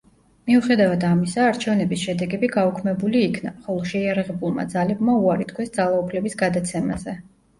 მიუხედავად ამისა, არჩევნების შედეგები გაუქმებული იქნა, ხოლო შეიარაღებულმა ძალებმა უარი თქვეს ძალაუფლების გადაცემაზე.